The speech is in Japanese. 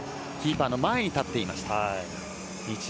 キーパーの前に立っていました。